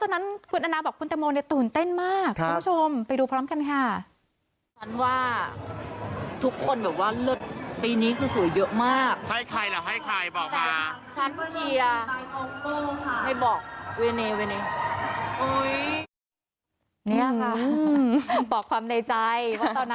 นี่ค่ะบอกความในใจว่าตอนนั้นเชียร์ใคร